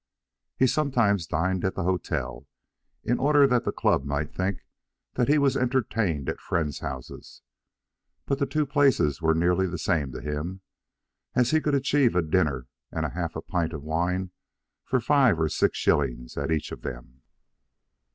He sometimes dined at the hotel, in order that the club might think that he was entertained at friends' houses; but the two places were nearly the same to him, as he could achieve a dinner and half a pint of wine for five or six shillings at each of them.